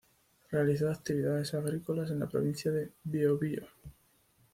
Realizó actividades agrícolas en la Provincia de Biobío.